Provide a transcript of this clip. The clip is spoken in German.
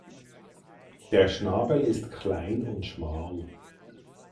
Der Schnabel ist klein und schmal.